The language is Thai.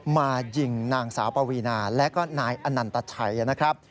มายิงนางสาวปวีนาและก็นายอนันตชัยนะครับ